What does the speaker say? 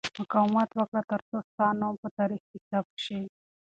مقاومت وکړه ترڅو ستا نوم په تاریخ کې ثبت شي.